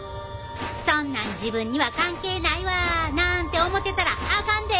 そんなん自分には関係ないわなんて思ってたらあかんで！